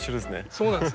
そうなんです。